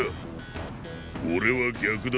俺は逆だ。